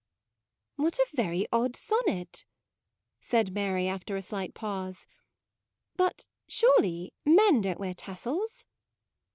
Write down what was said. "What a very odd sonnet ": said Mary after a slight pause: but surely men don't wear tassels."